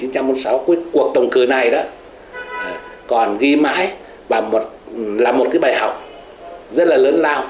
cuộc tổng cử này còn ghi mãi và là một bài học rất là lớn lao